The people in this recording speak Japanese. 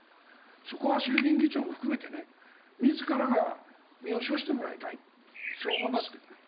そこは衆議院議長も含めて自らが身を処してもらいたいそう思いますけどね。